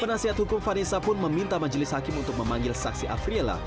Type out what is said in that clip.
penasihat hukum vanessa pun meminta majelis hakim untuk memanggil saksi afriela